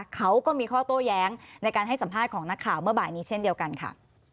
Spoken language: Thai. เขาก็มีข้อโต้แย้งในการให้สัมภาษณ์ของนักข่าวเมื่อบ่ายนี้เช่นเดียวกันค่ะ